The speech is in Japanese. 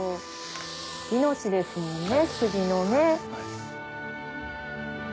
命ですもんね杉のね。